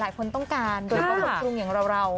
หลายคนต้องการโดยต้องประชุมอย่างเรา